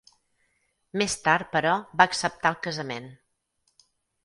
Més tard però va acceptar el casament.